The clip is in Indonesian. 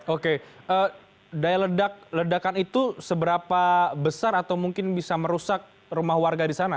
oke daya ledakan itu seberapa besar atau mungkin bisa merusak rumah warga di sana